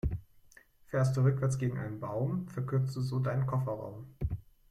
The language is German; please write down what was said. Fährst du rückwärts gegen einen Baum, verkürzt du so deinen Kofferraum.